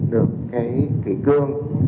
được cái kỷ cương